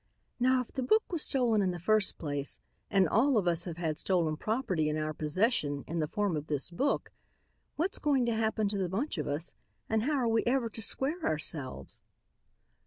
Now if the book was stolen in the first place and all of us have had stolen property in our possession, in the form of this book, what's going to happen to the bunch of us and how are we ever to square ourselves?